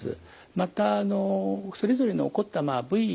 またそれぞれの起こった部位ですね